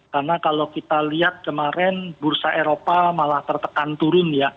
karena kalau kita lihat kemarin bursa eropa malah tertekan turun ya